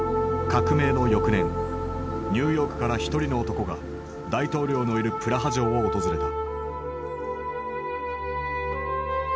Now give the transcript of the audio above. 革命の翌年ニューヨークから一人の男が大統領のいるプラハ城を訪れた。